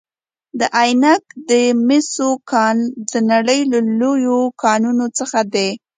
د عینک د مسو کان د نړۍ له لویو کانونو څخه دی.